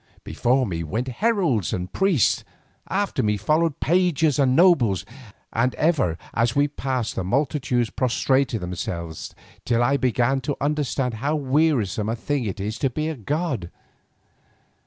Before me went heralds and priests, after me followed pages and nobles, and ever as we passed the multitudes prostrated themselves till I began to understand how wearisome a thing it is to be a god.